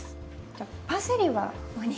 じゃあパセリはここに。